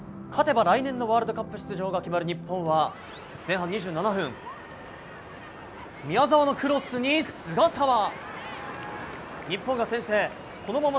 勝てば、来年のワールドカップ出場が決まる日本は前半２７分宮澤のクロスに菅澤！